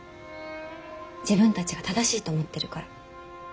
自分たちが正しいと思ってるから。